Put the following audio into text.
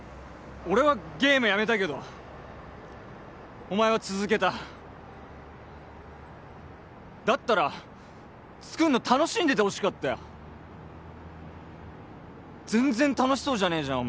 俺はゲームやめたけどお前は続けただったら作るの楽しんでてほしかったよ全然楽しそうじゃねえじゃん